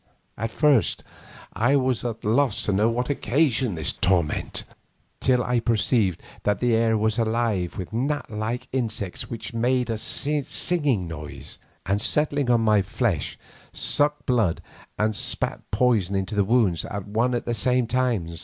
At first I was at a loss to know what occasioned this torment, till I perceived that the air was alive with gnat like insects which made a singing noise, and then settling on my flesh, sucked blood and spat poison into the wound at one and the same time.